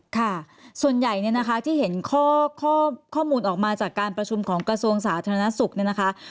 ค่ะส่วนใหญ่ที่เห็นข้อมูลออกมาจากการประชุมของกระทรวงสาธารณสุข